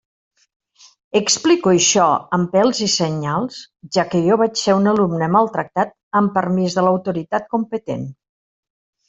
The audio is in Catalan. Explico això amb pèls i senyals, ja que jo vaig ser un alumne maltractat amb permís de l'autoritat competent.